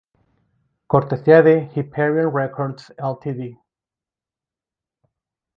Cortesía de Hyperion Records, Ltd.